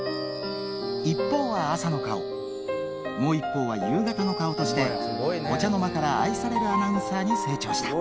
一方は朝の顔、もう一方は夕方の顔として、お茶の間から愛されるアナウンサーに成長した。